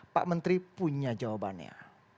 pak menteri punya jawabannya